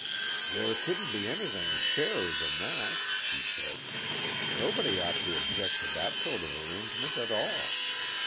"There couldn't be anything fairer than that," he said. "Nobody ought to object to that sort of arrangement at all.